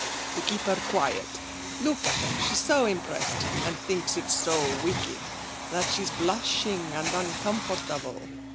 'To keep her quiet. Look at her: she's so impressed, and thinks it so wicked, that she's blushing and uncomfortable.